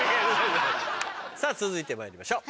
さぁ続いてまいりましょう。